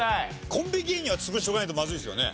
コンビ芸人は潰しておかないとまずいですよね。